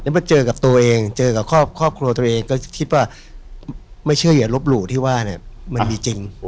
มาเจอกับตัวเองเจอกับครอบครัวตัวเองก็คิดว่าไม่เชื่ออย่าลบหลู่ที่ว่าเนี่ยมันมีจริง